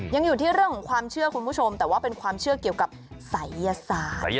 ยังอยู่ที่เรื่องของความเชื่อคุณผู้ชมแต่ว่าเป็นความเชื่อเกี่ยวกับศัยยศาสตร์